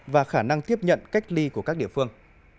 và khả năng tiếp nhận cách ly của các địa phương